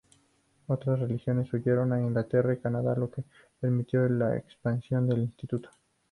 Otras religiosas huyeron a Inglaterra y Canadá, lo que permitió la expansión del instituto.